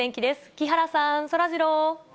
木原さん、そらジロー。